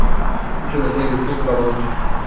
নিঃসন্দেহ সে ছিল আমার অভিমুখী।